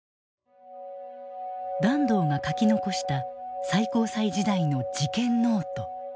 團藤が書き残した最高裁時代の事件ノート。